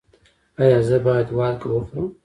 ایا زه باید وازګه وخورم؟